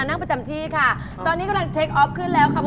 นั่งแอร์พอร์ตลิงก็ได้